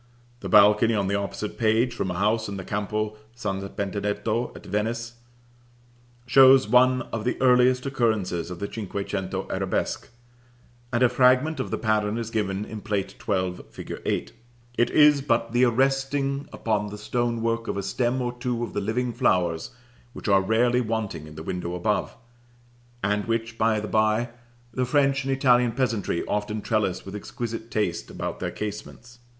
The balcony, on the opposite page, from a house in the Campo St. Benedetto at Venice, shows one of the earliest occurrences of the cinque cento arabesque, and a fragment of the pattern is given in Plate XII. fig. 8. It is but the arresting upon the stone work of a stem or two of the living flowers, which are rarely wanting in the window above (and which, by the by, the French and Italian peasantry often trellis with exquisite taste about their casements).